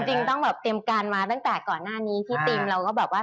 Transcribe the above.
จริงต้องแบบเตรียมการมาตั้งแต่ก่อนหน้านี้พี่ติมเราก็แบบว่า